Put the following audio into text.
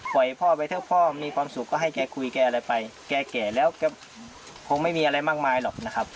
พ่อไปเถอะพ่อมีความสุขก็ให้แกคุยแกอะไรไปแกแก่แล้วก็คงไม่มีอะไรมากมายหรอกนะครับ